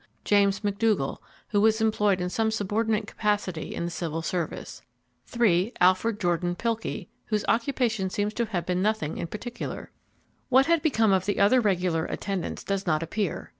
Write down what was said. James McDougall, who was employed in some subordinate capacity in the Civil Service. 3. Alfred Jordan Pilkey, whose occupation seems to have been nothing in particular. What had become of the other regular attendants does not appear.